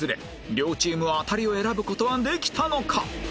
両チームアタリを選ぶ事はできたのか？